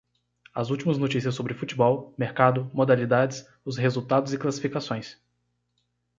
As últimas notícias sobre Futebol, mercado, modalidades, os resultados e classificações.